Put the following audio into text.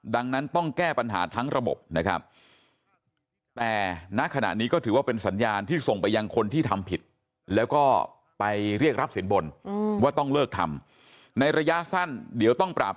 ดังนั้นต้องแก้ปัญหาทั้งระบบนะครับ